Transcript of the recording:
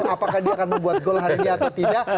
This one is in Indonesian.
apakah dia akan membuat gol hari ini atau tidak